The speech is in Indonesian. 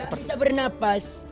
nggak bisa bernafas